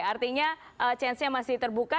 artinya chance nya masih terbuka